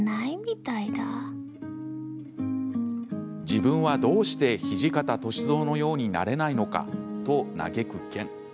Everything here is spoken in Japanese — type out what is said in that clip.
自分はどうして土方歳三のようになれないのかと嘆く剣。